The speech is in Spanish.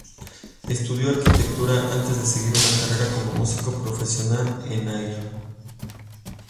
Estudió arquitectura antes de seguir una carrera como músico profesional en Air.